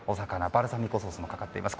バルサミコソースもかかっています。